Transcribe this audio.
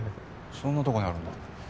そんなとこにあるんだ